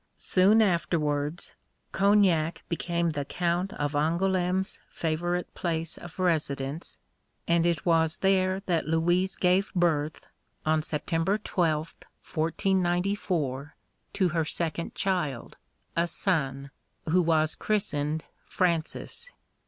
Soon afterwards Cognac became the Count of Angoulême's favourite place of residence, and it was there that Louise gave birth, on September 12th, 1494, to her second child, a son, who was christened Francis.